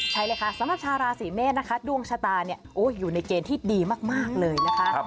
ใช่เลยค่ะสำหรับชาวราศีเมษนะคะดวงชะตาเนี่ยอยู่ในเกณฑ์ที่ดีมากเลยนะคะ